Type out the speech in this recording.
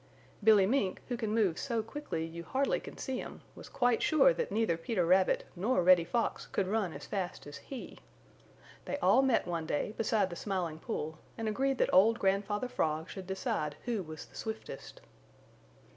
Billy Mink, who can move so quickly you hardly can see him, was quite sure that neither Peter Rabbit nor Reddy Fox could run as fast as he. They all met one day beside the Smiling Pool and agreed that old Grandfather Frog should decide who was the swiftest.